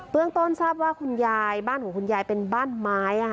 เรื่องต้นทราบว่าคุณยายบ้านของคุณยายเป็นบ้านไม้